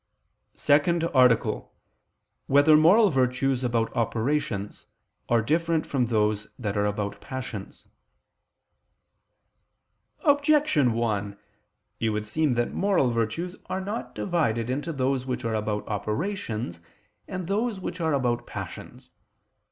________________________ SECOND ARTICLE [I II, Q. 60, Art. 2] Whether Moral Virtues About Operations Are Different from Those That Are About Passions? Objection 1: It would seem that moral virtues are not divided into those which are about operations and those which are about passions.